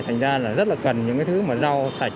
thành ra là rất là cần những cái thứ mà rau sạch